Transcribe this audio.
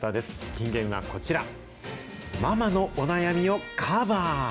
金言はこちら、ママのお悩みをカバー。